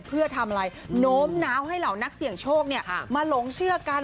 เพื่อทำอะไรโน้มน้าวให้เหล่านักเสี่ยงโชคมาหลงเชื่อกัน